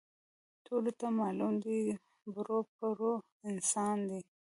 ټولو ته معلوم دی، ټرو پرو انسان دی.